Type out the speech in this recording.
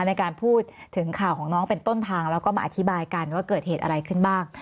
ในการพูดถึงข่าวของน้องเป็นต้นทางแล้วก็มาอธิบายกันว่าเกิดเหตุอะไรขึ้นบ้าง